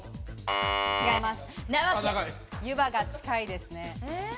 違います。